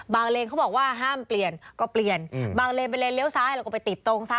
เลนเขาบอกว่าห้ามเปลี่ยนก็เปลี่ยนบางเลนเป็นเลนเลี้ยวซ้ายแล้วก็ไปติดตรงซะ